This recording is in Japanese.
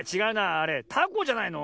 あれたこじゃないの？